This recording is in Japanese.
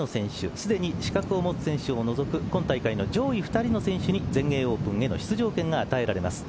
既に資格を持つ選手を除く今大会の上位２人の選手に全英オープンへの出場権が与えられます。